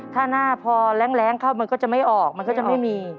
ถ้าหน้าพอแรงเข้ามันก็จะไม่ออกมันก็จะไม่มี